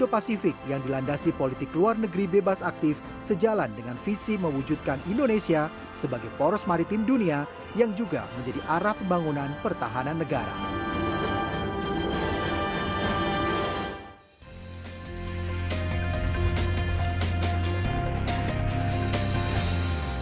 pemerintah australia mengaku siap menyambut kadet dari indonesia untuk menuntut ilmu dan membangun relasi